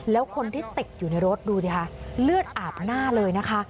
แล้วคนที่ติดอยู่ในรถดูสิคะเลือดอาบหน้าเลยนะคะ